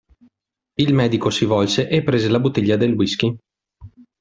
Il medico si volse e prese la bottiglia del whisky.